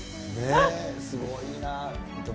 すごいな。